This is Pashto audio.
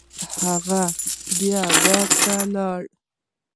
هغه بیا بار ته لاړ.